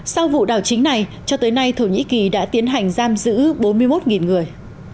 sau vụ đảo chính này cho tới nay thổ nhĩ kỳ đã tiến hành giam giữ bốn mươi một người